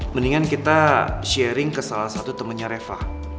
mendingan kita sharing ke salah satu temennya reva